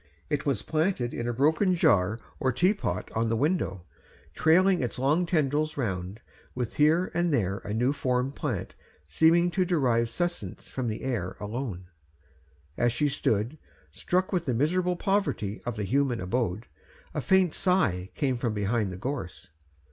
It was planted in a broken jar or teapot on the window, trailing its long tendrils around, with here and there a new formed plant seeming to derive sustenance from the air alone. As she stood, struck with the miserable poverty of the human abode, a faint sigh came from behind the gorse.